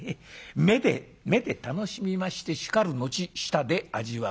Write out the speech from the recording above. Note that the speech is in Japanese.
目で目で楽しみましてしかる後舌で味わう。